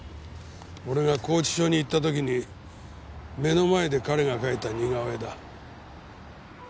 俺が拘置所に行った時に目の前で彼が描いた似顔絵だ。